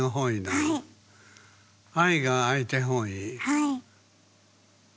はい。